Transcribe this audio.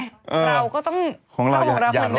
เราก็ต้องทับหกเราเหมือนเดิม